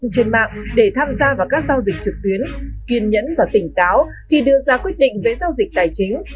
trên mạng để tham gia vào các giao dịch trực tuyến kiên nhẫn và tỉnh táo khi đưa ra quyết định về giao dịch tài chính